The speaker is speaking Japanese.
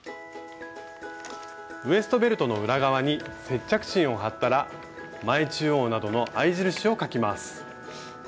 ウエストベルトの裏側に接着芯を貼ったら前中央などの合い印を描きます。